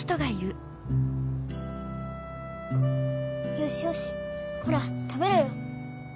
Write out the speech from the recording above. よしよしほら食べろよ。